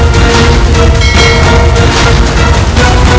tidak tidak tidak